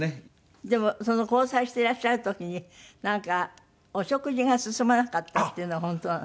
でも交際していらっしゃる時になんかお食事が進まなかったっていうのは本当なの？